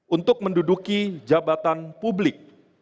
untuk menduduki jabatan publik